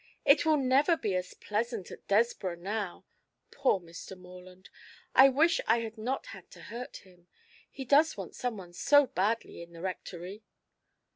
It will never be as pleasant at Desborough now. Poor Mr. Morland! I wish I had not had to hurt him. He does want someone so badly in the Rectory."